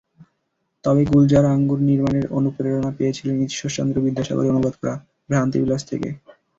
তবে গুলজার আঙ্গুর নির্মাণের অনুপ্রেরণা পেয়েছিলেন ঈশ্বরচন্দ্র বিদ্যাসাগরের অনুবাদ করা ভ্রান্তিবিলাস থেকে।